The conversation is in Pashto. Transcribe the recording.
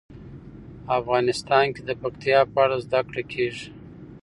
افغانستان کې د پکتیا په اړه زده کړه کېږي.